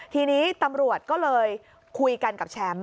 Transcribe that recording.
ทีนี้ตำรวจก็เลยคุยกันกับแชมป์